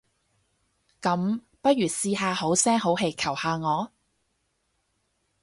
噉，不如試下好聲好氣求下我？